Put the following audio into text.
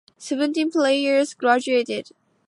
Seventeen players graduated.